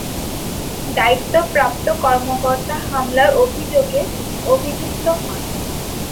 দায়িত্বপ্রাপ্ত কর্মকর্তা হামলার অভিযোগে অভিযুক্ত হন।